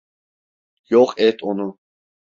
Yok et onu!